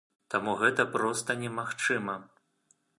Таму гэта проста немагчыма.